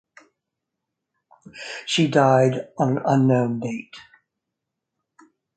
She died on an unknown date.